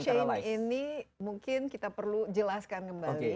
nah blockchain ini mungkin kita perlu jelaskan kembali